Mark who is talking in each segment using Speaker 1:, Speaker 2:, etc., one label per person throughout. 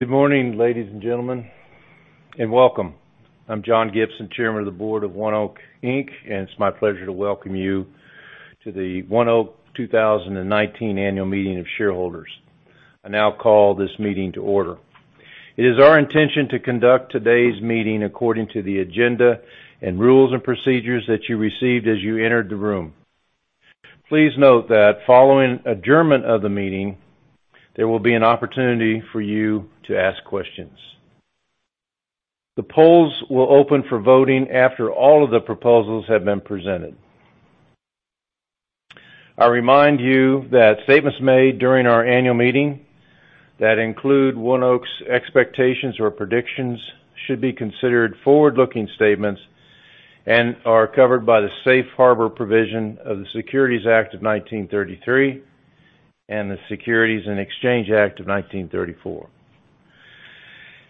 Speaker 1: Good morning, ladies and gentlemen, and welcome. I'm John Gibson, chairman of the board of ONEOK, Inc., and it's my pleasure to welcome you to the ONEOK 2019 Annual Meeting of Shareholders. I now call this meeting to order. It is our intention to conduct today's meeting according to the agenda and rules and procedures that you received as you entered the room. Please note that following adjournment of the meeting, there will be an opportunity for you to ask questions. The polls will open for voting after all of the proposals have been presented. I remind you that statements made during our annual meeting that include ONEOK's expectations or predictions should be considered forward-looking statements and are covered by the safe harbor provision of the Securities Act of 1933 and the Securities Exchange Act of 1934.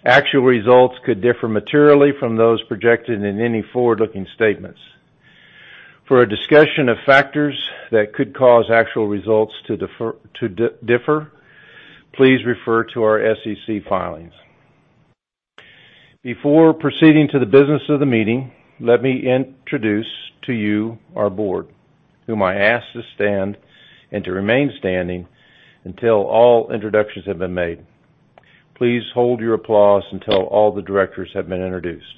Speaker 1: Actual results could differ materially from those projected in any forward-looking statements. For a discussion of factors that could cause actual results to differ, please refer to our SEC filings. Before proceeding to the business of the meeting, let me introduce to you our board, whom I ask to stand and to remain standing until all introductions have been made. Please hold your applause until all the directors have been introduced.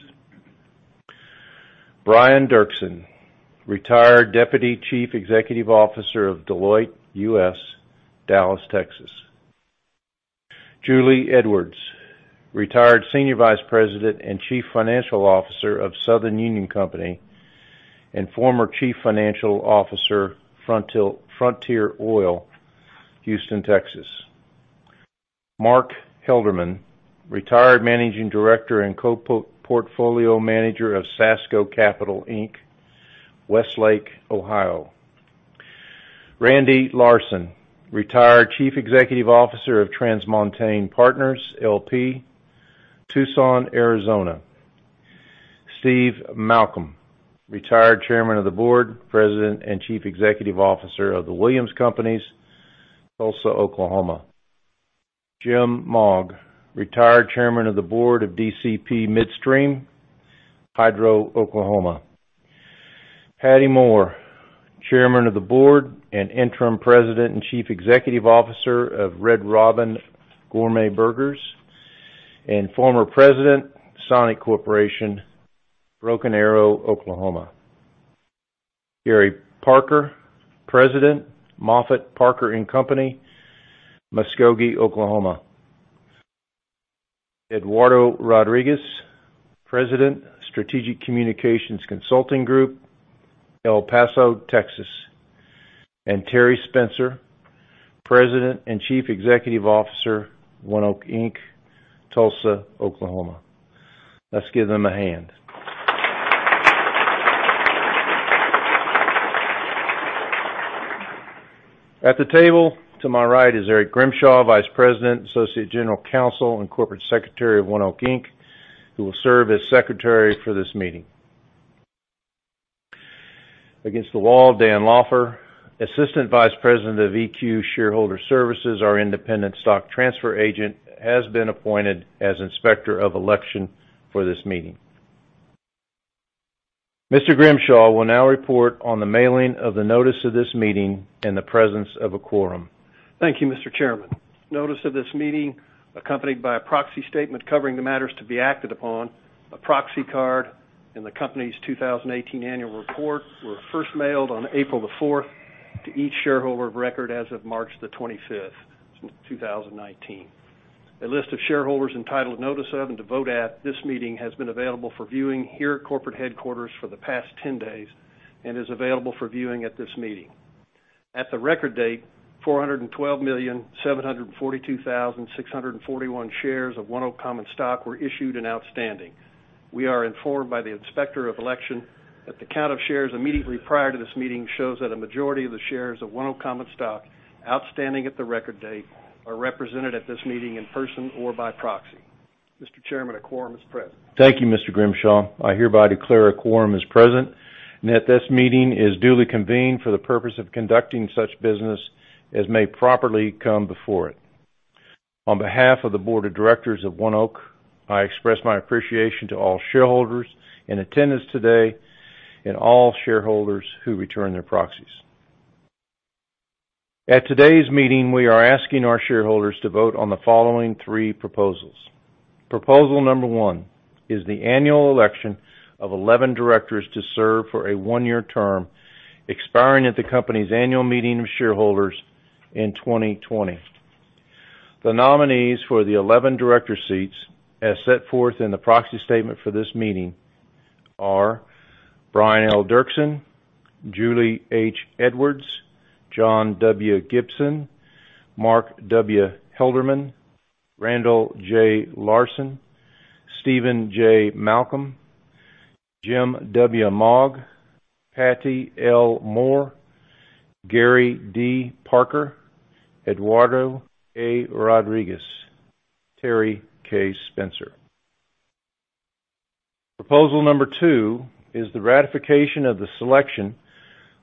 Speaker 1: Brian Derksen, retired Deputy Chief Executive Officer of Deloitte U.S., Dallas, Texas. Julie Edwards, retired Senior Vice President and Chief Financial Officer of Southern Union Company and former Chief Financial Officer, Frontier Oil, Houston, Texas. Mark Helderman, retired Managing Director and Co-Portfolio Manager of Sasco Capital, Inc., Westlake, Ohio. Randy Larson, retired Chief Executive Officer of TransMontaigne Partners L.P., Tucson, Arizona. Steve Malcolm, retired Chairman of the Board, President, and Chief Executive Officer of The Williams Companies, Tulsa, Oklahoma. Jim Mogg, retired Chairman of the Board of DCP Midstream, Hydro, Oklahoma. Pattye Moore, Chairman of the Board and Interim President and Chief Executive Officer of Red Robin Gourmet Burgers and former President, Sonic Corporation, Broken Arrow, Oklahoma. Gary Parker, President, Moffitt, Parker and Company, Inc., Muskogee, Oklahoma. Eduardo Rodriguez, President, Strategic Communication Consulting Group, El Paso, Texas. Terry Spencer, President and Chief Executive Officer of ONEOK, Inc., Tulsa, Oklahoma. Let's give them a hand. At the table to my right is Eric Grimshaw, Vice President, Associate General Counsel, and Corporate Secretary of ONEOK, Inc., who will serve as Secretary for this meeting. Against the wall, Dan Loffer, Assistant Vice President of EQ Shareowner Services, our independent stock transfer agent, has been appointed as Inspector of Election for this meeting. Mr. Grimshaw will now report on the mailing of the notice of this meeting and the presence of a quorum.
Speaker 2: Thank you, Mr. Chairman. Notice of this meeting, accompanied by a proxy statement covering the matters to be acted upon, a proxy card, and the company's 2018 annual report, were first mailed on April the 4th to each shareholder of record as of March the 25th, 2019. A list of shareholders entitled notice of and to vote at this meeting has been available for viewing here at corporate headquarters for the past 10 days and is available for viewing at this meeting. At the record date, 412,742,641 shares of ONEOK common stock were issued and outstanding. We are informed by the Inspector of Election that the count of shares immediately prior to this meeting shows that a majority of the shares of ONEOK common stock outstanding at the record date are represented at this meeting in person or by proxy. Mr. Chairman, a quorum is present.
Speaker 1: Thank you, Mr. Grimshaw. I hereby declare a quorum is present and that this meeting is duly convened for the purpose of conducting such business as may properly come before it. On behalf of the Board of Directors of ONEOK, I express my appreciation to all shareholders in attendance today and all shareholders who return their proxies. At today's meeting, we are asking our shareholders to vote on the following three proposals. Proposal number one is the annual election of 11 directors to serve for a one-year term, expiring at the company's annual meeting of shareholders in 2020. The nominees for the 11 director seats, as set forth in the proxy statement for this meeting, are Brian L. Derksen, Julie H. Edwards, John W. Gibson, Mark W. Helderman, Randall J. Larson, Steven J. Malcolm, Jim W. Mogg, Pattye L. Moore, Gary D. Parker, Eduardo A. Rodriguez, Terry K. Spencer. Proposal number two is the ratification of the selection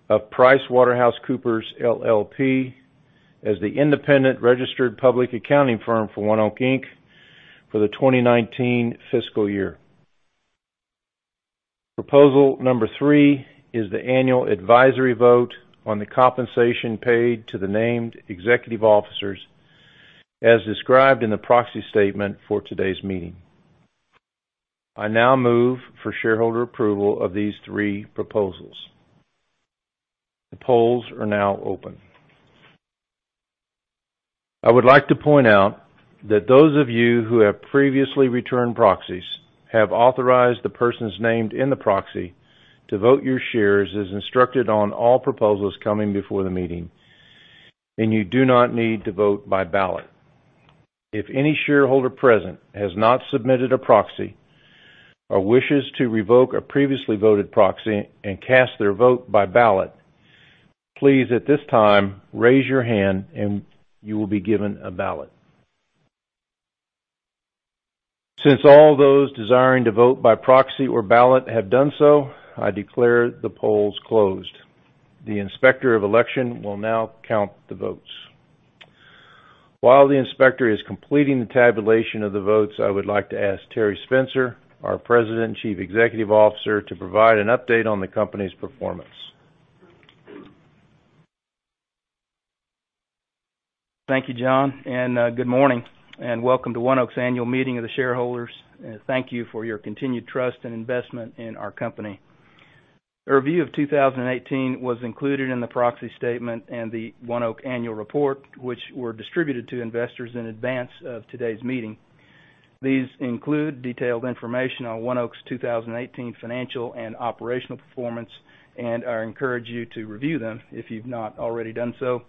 Speaker 1: of PricewaterhouseCoopers LLP as the independent registered public accounting firm for ONEOK, Inc. for the 2019 fiscal year. Proposal number three is the annual advisory vote on the compensation paid to the named executive officers as described in the proxy statement for today's meeting. I now move for shareholder approval of these three proposals. The polls are now open. I would like to point out that those of you who have previously returned proxies have authorized the persons named in the proxy to vote your shares as instructed on all proposals coming before the meeting, and you do not need to vote by ballot. If any shareholder present has not submitted a proxy or wishes to revoke a previously voted proxy and cast their vote by ballot, please at this time raise your hand and you will be given a ballot. Since all those desiring to vote by proxy or ballot have done so, I declare the polls closed. The inspector of election will now count the votes. While the inspector is completing the tabulation of the votes, I would like to ask Terry Spencer, our President and Chief Executive Officer, to provide an update on the company's performance.
Speaker 3: Thank you, John, good morning, and welcome to ONEOK's Annual Meeting of the Shareholders. Thank you for your continued trust and investment in our company. A review of 2018 was included in the proxy statement and the ONEOK annual report, which were distributed to investors in advance of today's meeting. These include detailed information on ONEOK's 2018 financial and operational performance, and I encourage you to review them if you've not already done so.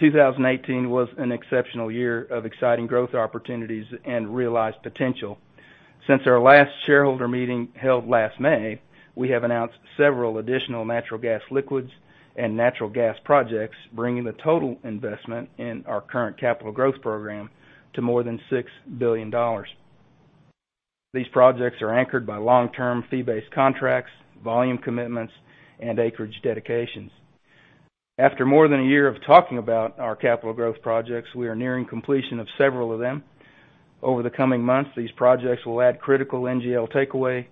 Speaker 3: 2018 was an exceptional year of exciting growth opportunities and realized potential. Since our last shareholder meeting held last May, we have announced several additional natural gas liquids and natural gas projects, bringing the total investment in our current capital growth program to more than $6 billion. These projects are anchored by long-term fee-based contracts, volume commitments, and acreage dedications. After more than a year of talking about our capital growth projects, we are nearing completion of several of them. Over the coming months, these projects will add critical NGL takeaway,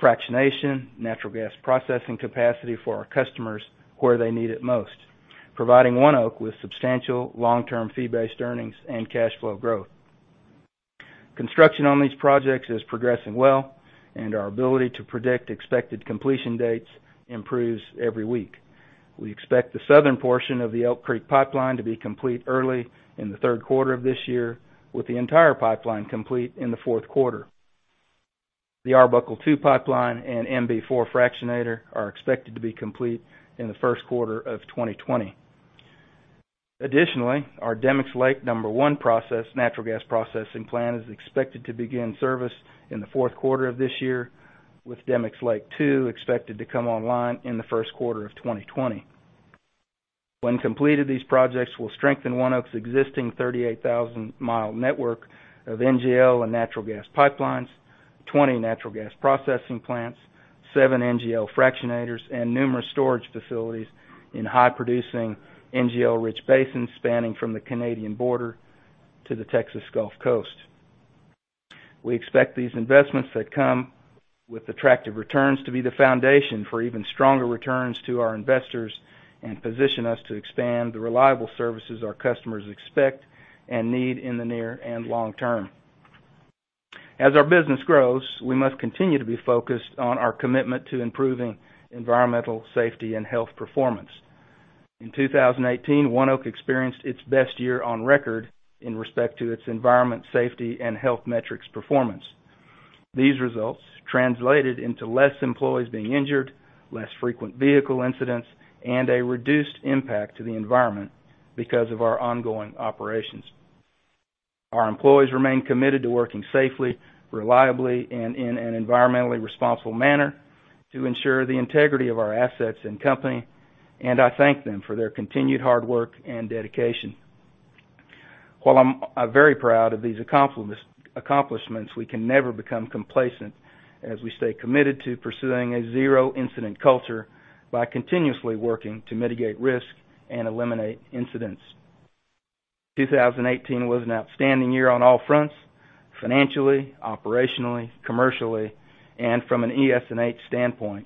Speaker 3: fractionation, natural gas processing capacity for our customers where they need it most, providing ONEOK with substantial long-term fee-based earnings and cash flow growth. Construction on these projects is progressing well, our ability to predict expected completion dates improves every week. We expect the southern portion of the Elk Creek Pipeline to be complete early in the third quarter of this year, with the entire pipeline complete in the fourth quarter. The Arbuckle II Pipeline and MB-4 fractionator are expected to be complete in the first quarter of 2020. Additionally, our Demicks Lake number 1 natural gas processing plant is expected to begin service in the fourth quarter of this year, with Demicks Lake II expected to come online in the first quarter of 2020. When completed, these projects will strengthen ONEOK's existing 38,000-mile network of NGL and natural gas pipelines, 20 natural gas processing plants, seven NGL fractionators, and numerous storage facilities in high-producing NGL-rich basins spanning from the Canadian border to the Texas Gulf Coast. We expect these investments that come with attractive returns to be the foundation for even stronger returns to our investors and position us to expand the reliable services our customers expect and need in the near and long term. As our business grows, we must continue to be focused on our commitment to improving environmental, safety, and health performance. In 2018, ONEOK experienced its best year on record in respect to its environment, safety, and health metrics performance. These results translated into less employees being injured, less frequent vehicle incidents, and a reduced impact to the environment because of our ongoing operations. Our employees remain committed to working safely, reliably, and in an environmentally responsible manner to ensure the integrity of our assets and company, I thank them for their continued hard work and dedication. While I'm very proud of these accomplishments, we can never become complacent as we stay committed to pursuing a zero-incident culture by continuously working to mitigate risk and eliminate incidents. 2018 was an outstanding year on all fronts: financially, operationally, commercially, and from an ES&H standpoint.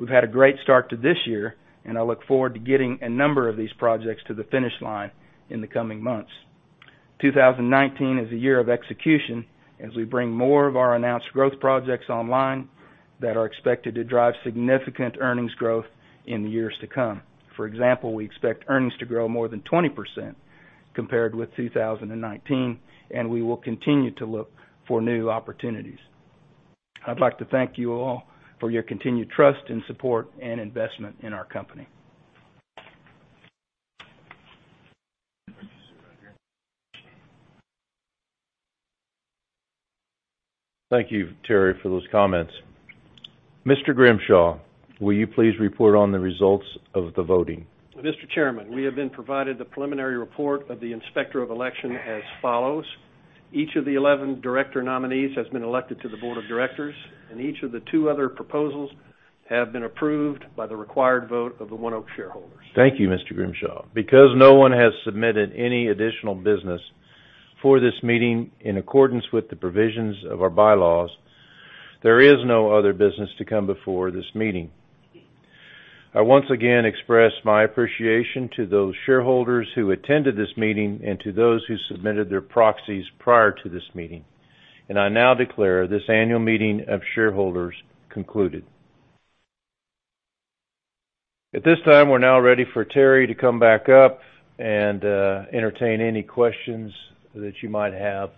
Speaker 3: We've had a great start to this year, I look forward to getting a number of these projects to the finish line in the coming months. 2019 is a year of execution as we bring more of our announced growth projects online that are expected to drive significant earnings growth in the years to come. For example, we expect earnings to grow more than 20% compared with 2019, we will continue to look for new opportunities. I'd like to thank you all for your continued trust and support and investment in our company.
Speaker 1: Thank you, Terry, for those comments. Mr. Grimshaw, will you please report on the results of the voting?
Speaker 2: Mr. Chairman, we have been provided the preliminary report of the inspector of election as follows. Each of the 11 director nominees has been elected to the board of directors, and each of the two other proposals have been approved by the required vote of the ONEOK shareholders.
Speaker 1: Thank you, Mr. Grimshaw. Because no one has submitted any additional business for this meeting, in accordance with the provisions of our bylaws, there is no other business to come before this meeting. I once again express my appreciation to those shareholders who attended this meeting and to those who submitted their proxies prior to this meeting, and I now declare this annual meeting of shareholders concluded. At this time, we're now ready for Terry to come back up and entertain any questions that you might have.